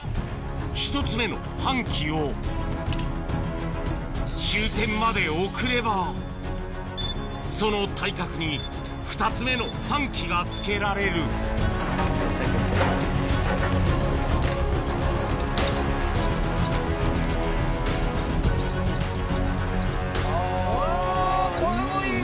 １つ目の搬器を終点まで送ればその対角に２つ目の搬器がつけられるあぁ！